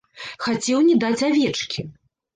Хацеў не даць авечкі.